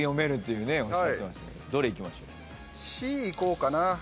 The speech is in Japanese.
Ｃいこうかな。